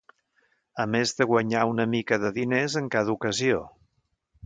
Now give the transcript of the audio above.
A més de guanyar una mica de diners en cada ocasió.